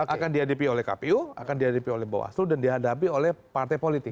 akan dihadapi oleh kpu akan dihadapi oleh bawaslu dan dihadapi oleh partai politik